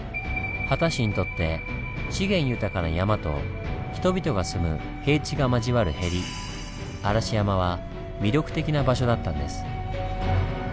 秦氏にとって資源豊かな山と人々が住む平地が交わるへり嵐山は魅力的な場所だったんです。